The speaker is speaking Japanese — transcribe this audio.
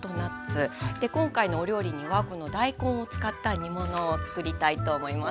今回のお料理にはこの大根を使った煮物をつくりたいと思います。